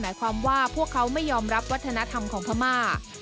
หมายความว่าพวกเขาไม่ยอมรับวัฒนธรรมของพม่า